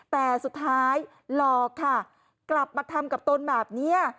แต่สุดท้ายหลอกค่ะกลับมาทำกับตนแบบนี้